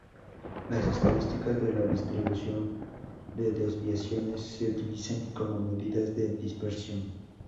Las estadísticas de la distribución de desviaciones se utilizan como medidas de dispersión.